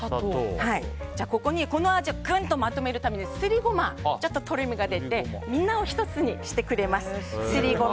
ここに、この味をグッとまとめるためにすりゴマ、ちょっととろみが出てみんなを一つにしてくれます。